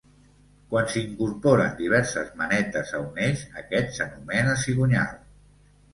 Quan s'incorporen diverses manetes a un eix, aquest s'anomena cigonyal.